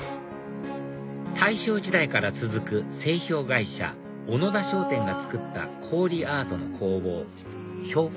大正時代から続く製氷会社小野田商店がつくった氷アートの工房氷華